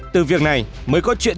từ việc này mới có chuyện